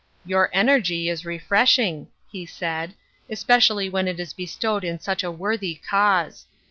"Your energy is refresh iDg," he said, " especially when it is bestowed in such a worthy cause.